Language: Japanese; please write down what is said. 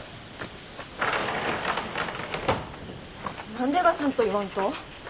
何でがつんと言わんと？